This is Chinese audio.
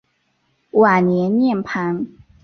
晚年涅盘。